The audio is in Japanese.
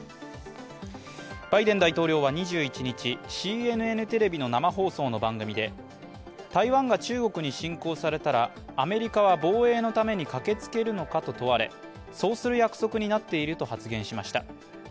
バイデン大統領は２１日ＣＮＮテレビの生放送の番組で台湾が中国に侵攻されたらアメリカは防衛のために駆けつけるのかと問われ、そうする約束になっていると発言しました。